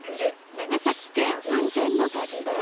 長崎県雲仙の旅］